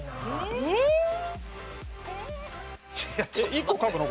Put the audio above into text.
１個書くの？